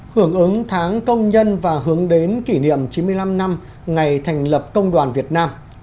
hưởng ứng tháng công nhân và hướng đến kỷ niệm chín mươi năm năm ngày thành lập công đoàn việt nam